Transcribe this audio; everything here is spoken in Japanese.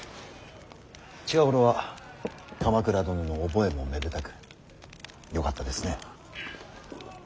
近頃は鎌倉殿の覚えもめでたくよかったですね。